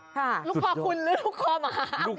ลูกคอคุณหรือลูกคอหมา